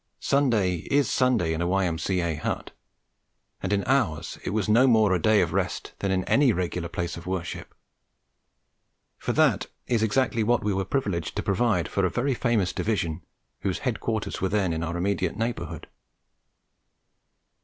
Sunday is Sunday in a Y.M.C.A. hut, and in ours it was no more a day of rest than it is in any regular place of worship; for that is exactly what we were privileged to provide for a very famous Division whose headquarters were then in our immediate neighbourhood.